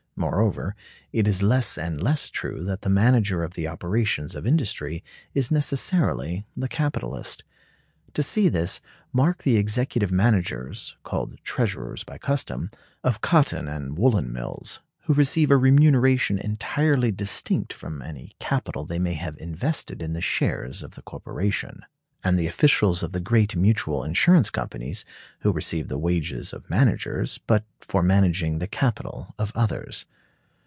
Moreover, it is less and less true that the manager of the operations of industry is necessarily the capitalist. To see this, mark the executive managers (called "treasurers" by custom) of cotton and woolen mills, who receive a remuneration entirely distinct from any capital they may have invested in the shares of the corporation; and the officials of the great mutual insurance companies, who receive the wages of managers, but for managing the capital of others.